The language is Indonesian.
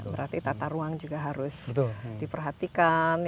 berarti tata ruang juga harus diperhatikan